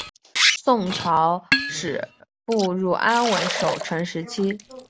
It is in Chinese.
宋朝始步入安稳守成时期。